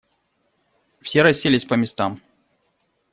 Все расселись по местам.